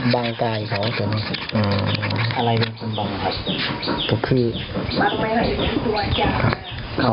บังกายของเขา